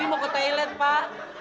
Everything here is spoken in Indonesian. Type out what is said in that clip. ini adalah toilet pak